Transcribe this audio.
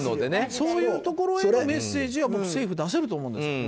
そういうところへのメッセージは僕、政府は出せると思うんです。